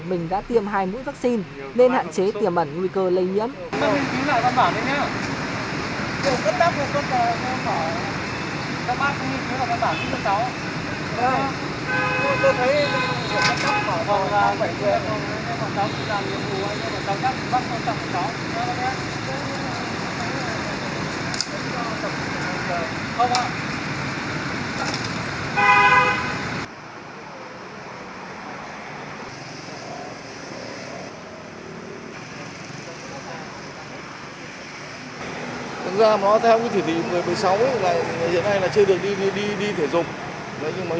mình đã tiêm hai mũi vaccine nên hạn chế tiềm ẩn nguy cơ lây nhiễm